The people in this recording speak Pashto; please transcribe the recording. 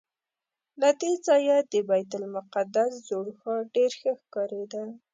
له دې ځایه د بیت المقدس زوړ ښار ډېر ښه ښکارېده.